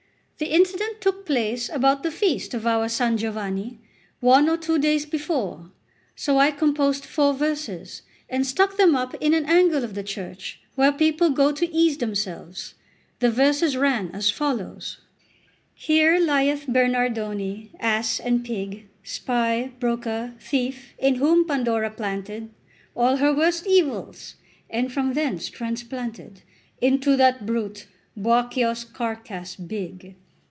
The incident took place about the feast of our San Giovanni, one or two days before; so I composed four verses, and stuck them up in an angle of the church where people go to ease themselves. The verses ran as follows: "Here lieth Bernardone, ass and pig, Spy, broker, thief, in whom Pandora planted All her worst evils, and from thence transplanted Into that brute Buaccio's carcass big."